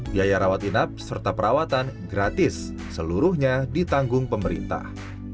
biaya rawat inap serta perawatan gratis seluruhnya ditanggung pemerintah